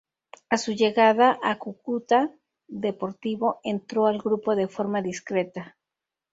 A su llegada a Cúcuta Deportivo, entró al grupo de forma discreta.